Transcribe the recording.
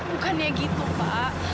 bukannya gitu pak